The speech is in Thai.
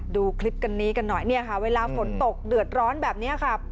ดูคลิปกันนี้กันหน่อยเนี่ยค่ะเวลาฝนตกเดือดร้อนแบบนี้ค่ะ